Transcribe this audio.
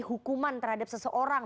hukuman terhadap seseorang